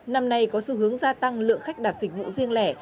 năm nay có xu hướng gia tăng lượng khách đạt dịch vụ riêng lẻ